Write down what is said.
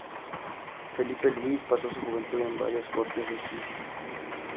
Felipe Luis pasó su juventud en varias cortes en Hesse.